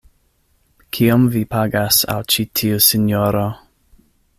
Kiom vi pagas al ĉi tiu sinjoro?